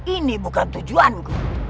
ini bukan tujuanku